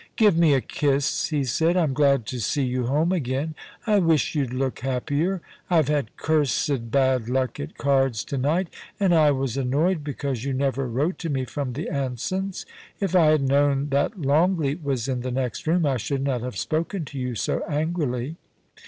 * Give me a kiss,' he said. * I'm glad to see you home again. I wish you'd look happier. I've had cursed bad luck at cards to night, and I was annoyed because you never wrote to me from the Ansons. If I had known that Long leat was in the next room, I should not have spoken to you so angrily.'